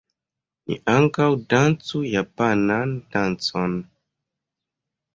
Ni ankaŭ dancu japanan dancon.